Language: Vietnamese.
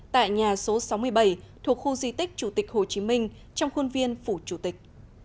tại nhà số sáu mươi bảy thuộc khu di tích chủ tịch hồ chí minh trong khuôn viên phủ chủ tịch